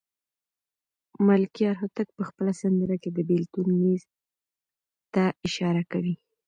ملکیار هوتک په خپله سندره کې د بېلتون نیز ته اشاره کوي.